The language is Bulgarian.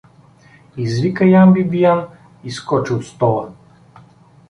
— извика Ян Бибиян и скочи от стола.